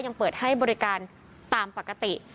ยังเปิดให้บริการตามปกติ